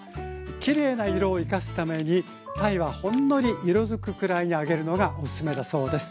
きれいな色を生かすために鯛はほんのり色づくくらいに揚げるのがおすすめだそうです。